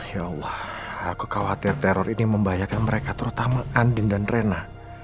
ya allah aku khawatir teror ini membahayakan mereka terutama andin dan rena